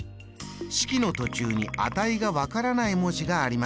式の途中に値が分からない文字があります。